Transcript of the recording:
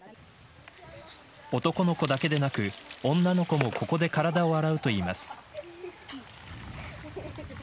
男の子だけでなく女の子もここで体を洗うといいます。